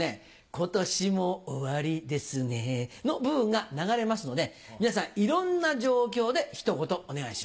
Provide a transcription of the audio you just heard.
今年も終りですねの部分が流れますので皆さんいろんな状況でひと言お願いします。